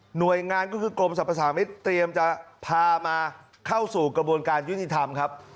หน่วยงานก็คือกรมสรรพสามิตรเตรียมจะพามาเข้าสู่กระบวนการยุติธรรมครับ